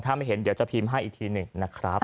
ถ้าไม่เห็นเดี๋ยวจะพิมพ์ให้อีกทีหนึ่งนะครับ